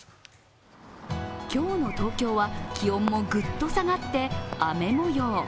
今日の東京は気温もぐっと下がって、雨模様。